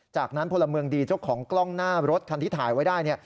จากนั้นพลเมืองดีเจ้าของกล้องหน้ารถคันที่ถ่ายไว้ได้เนี่ย